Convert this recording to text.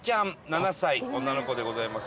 ７歳女の子でございます。